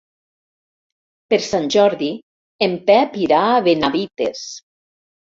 Per Sant Jordi en Pep irà a Benavites.